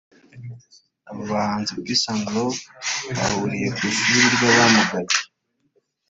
Aba bahanzi Peace and Love bahuriye ku ishuri ry’abamugaye